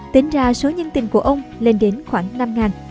tính ra số nhân tình của ông lên đến khoảng năm